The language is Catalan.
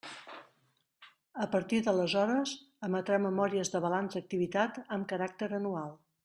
A partir d'aleshores, emetrà memòries de balanç d'activitat amb caràcter anual.